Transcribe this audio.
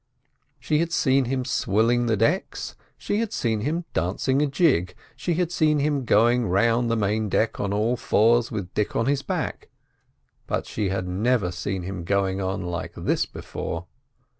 She had seen him swilling the decks, she had seen him dancing a jig, she had seen him going round the main deck on all fours with Dick on his back, but she had never seen him going on like this before.